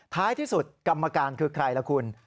ท้ายที่สุดกรรมการคือใครล่ะคุณ